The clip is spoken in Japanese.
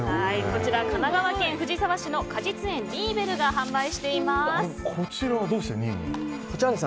こちら神奈川県藤沢市の果実園リーベルがこちらはどうして２位に？